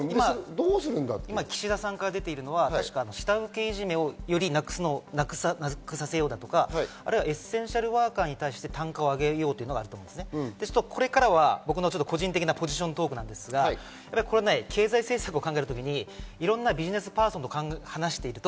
岸田さんから今出ているのは、確か下請けいじめをよりなくさせようだとか、エッセンシャルワーカーに対して単価を上げようとか、これからは僕の個人的なポジショントークですけど経済政策を考えるときにいろんなビジネスパーソンと話していると。